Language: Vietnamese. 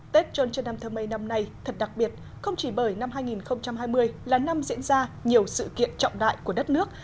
tết trôn trần nam thờ mây năm nay thật đặc biệt không chỉ bởi năm hai nghìn hai mươi là năm diễn ra nhiều sự kiện trọng đại của đất nước